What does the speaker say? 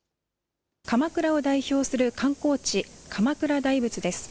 鎌倉を代表する観光地、鎌倉大仏です。